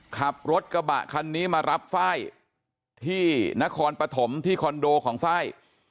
ขับรถกระบะคันนี้มารับไฟล์ที่นครปฐมที่คอนโดของไฟล์